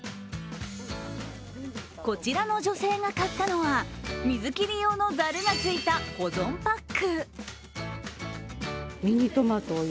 こちらの女性が買ったのは水切り用のざるがついた保存パック。